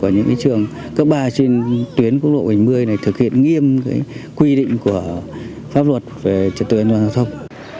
những trường cấp ba trên tuyến quốc lộ bảy mươi này thực hiện nghiêm quy định của pháp luật về trật tự an toàn giao thông